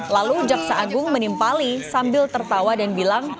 lalu jaksa agung menimpali sambil tertawa dan bilang